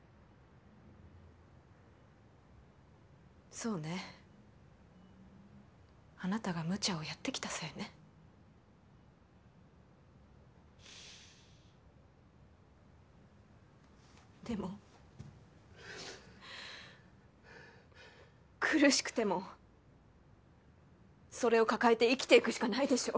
そうねあなたがむちゃをやってきたせいねでも苦しくてもそれを抱えて生きていくしかないでしょう？